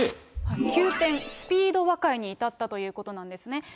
急転スピード和解に至ったということなんですね。